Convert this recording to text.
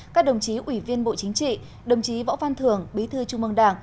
các đồng chí ủy viên bộ chính trị đồng chí võ văn thường bí thư trung mương đảng